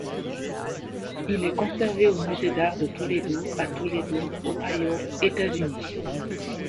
Il est conservé au musée d'art de Toledo à Toledo, Ohio, États-Unis.